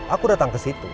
aku datang kesitu